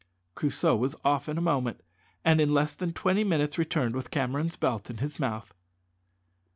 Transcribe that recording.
Crusoe was off in a moment, and in less than twenty minutes returned with Cameron's belt in his mouth.